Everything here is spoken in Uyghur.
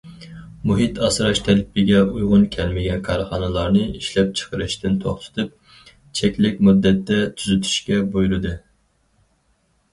مۇھىت ئاسراش تەلىپىگە ئۇيغۇن كەلمىگەن كارخانىلارنى ئىشلەپچىقىرىشتىن توختىتىپ، چەكلىك مۇددەتتە تۈزىتىشكە بۇيرۇدى.